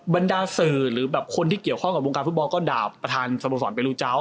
บัลดานศ์ฟิฟ์หรือคนที่เกี่ยวข้องกับบุงการฟุตบอลก็ด่าประธานสะพาสตร์โปรดลูกจาว